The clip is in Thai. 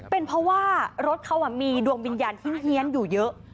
เป็นเพราะว่ารถเขามีดวงวิญญาณเฮียนอยู่เยอะ